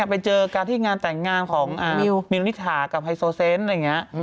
ไปเจอกันที่งานแต่งงานของมิวนิถากับไฮโซเซนต์อะไรอย่างนี้